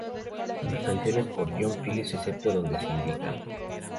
Todas las canciones por John Phillips excepto donde se indica.